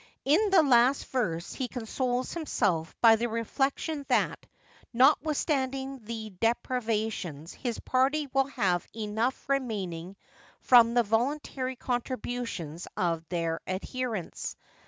In the last verse he consoles himself by the reflection that, notwithstanding the deprivations, his party will have enough remaining from the voluntary contributions of their adherents.